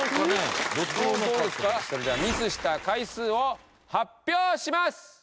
それではミスした回数を発表します！